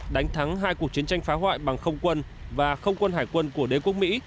đánh thắng hai cuộc chiến tranh phá hoại bằng không quân và không quân hải quân của đế quốc mỹ